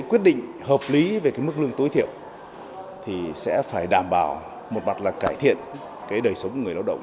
quyết định hợp lý về mức lương tối thiểu sẽ phải đảm bảo một mặt là cải thiện đời sống của người lao động